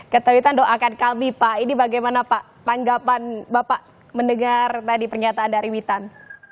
ketewitan doakan kami pak ini bagaimana pak tanggapan bapak mendengar tadi pernyataan dari witan